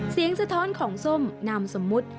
สะท้อนของส้มนามสมมุติ